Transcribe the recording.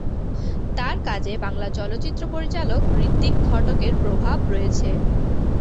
তার কাজে বাংলা চলচ্চিত্র পরিচালক ঋত্বিক ঘটকের প্রভাব রয়েছে।